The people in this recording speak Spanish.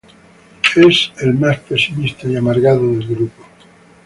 Es el más pesimista y "amargado" del grupo.